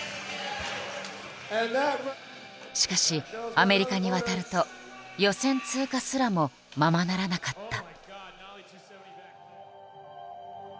しかしアメリカに渡ると予選通過すらもままならなかった。